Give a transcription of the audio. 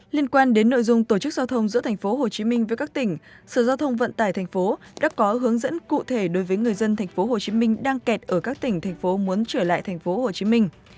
liên quan đến nội dung tổ chức giao thông giữa thành phố hồ chí minh với các tỉnh sở giao thông vận tải thành phố đã có hướng dẫn cụ thể đối với người dân thành phố hồ chí minh đang kẹt ở các tỉnh thành phố muốn trở lại thành phố hồ chí minh